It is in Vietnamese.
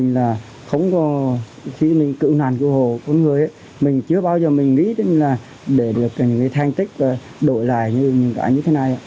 thật ra là khi mình cựu nạn cựu hồ mình chưa bao giờ nghĩ đến để được những thang tích đổi lại như thế này